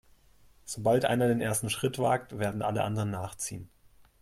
Sobald einer den ersten Schritt wagt, werden alle anderen nachziehen.